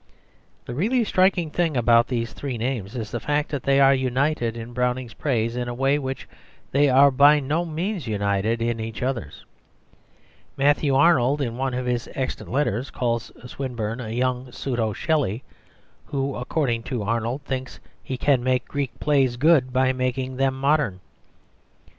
The really striking thing about these three names is the fact that they are united in Browning's praise in a way in which they are by no means united in each other's. Matthew Arnold, in one of his extant letters, calls Swinburne "a young pseudo Shelley," who, according to Arnold, thinks he can make Greek plays good by making them modern.